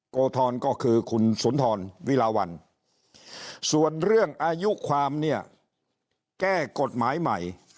โกธรก็คือคุณสุนทรวิลาวันส่วนเรื่องอายุความเนี่ยแก้กฎหมายใหม่